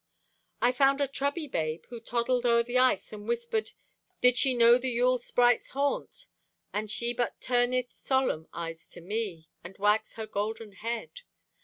I found a chubby babe, Who toddled o'er the ice, and whispered, Did she know the Yule sprite's haunt? And she but turneth solemn eyes to me And wags her golden head.